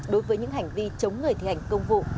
đối với những hành vi chống người thi hành công vụ